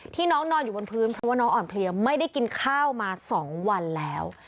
น้องนอนอยู่บนพื้นเพราะว่าน้องอ่อนเพลียไม่ได้กินข้าวมา๒วันแล้ว